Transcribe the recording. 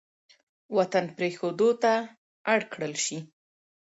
وطـن پـرېښـودو تـه اړ کـړل شـي.